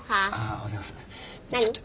おはようございます。